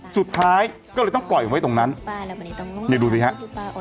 สุดท้ายก็เลยต้องปล่อยไว้ตรงนั้นเดี๋ยวดูสิฮะ